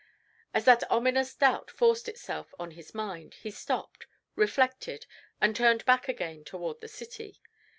As that ominous doubt forced itself on his mind, he stopped, reflected, and turned back again toward the city.